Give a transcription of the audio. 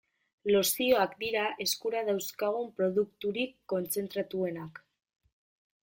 Lozioak dira eskura dauzkagun produkturik kontzentratuenak.